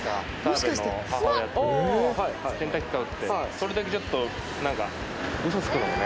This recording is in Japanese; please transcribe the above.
それだけちょっと。